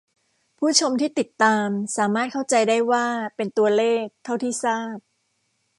ผู้ชมที่ติดตามสามารถเข้าใจได้ว่า เป็นตัวเลขเท่าที่ทราบ